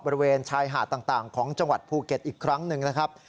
บริเวณชายหาดต่างของจังหวัดภูเก็ตอีกครั้งหนึ่งนะครับ